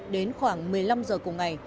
đến khoảng một mươi năm h cùng ngày